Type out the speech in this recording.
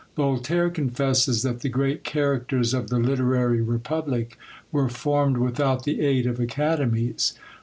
Voltaire confesses that the great characters of the literary republic were formed without the aid of academies.